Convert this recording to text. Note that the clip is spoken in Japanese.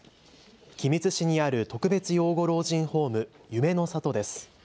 君津市にある特別養護老人ホーム、夢の郷です。